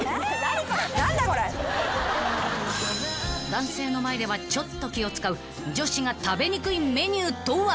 ［男性の前ではちょっと気を使う女子が食べにくいメニューとは？］